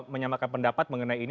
menyamakan pendapat mengenai ini